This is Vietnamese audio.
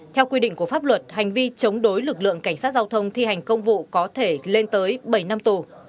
theo quy định của pháp luật hành vi chống đối lực lượng cảnh sát giao thông thi hành công vụ có thể lên tới bảy năm tù